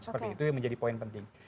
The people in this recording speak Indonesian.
seperti itu yang menjadi poin penting